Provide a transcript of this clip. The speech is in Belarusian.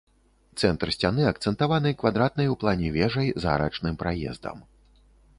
Цэнтр сцяны акцэнтаваны квадратнай у плане вежай з арачным праездам.